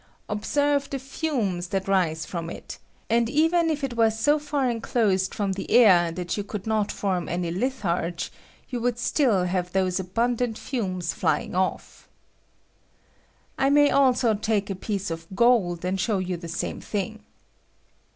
Observe the fumes that rise from it ; and even if it was so far inclosed from the air that you could not form any litharge, you would still have those abundant fumes "flying off. I may also take a piece of gold, and show you the same thing.